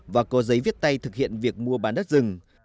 và có giấy viết tay thực hiện việc mua bán đất rừng